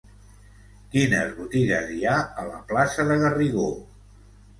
Quines botigues hi ha a la plaça de Garrigó?